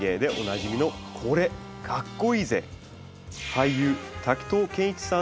俳優滝藤賢一さん